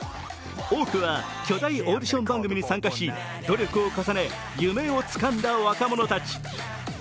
多くは巨大オーディション番組に参加し努力を重ね、夢をつかんだ若者たち。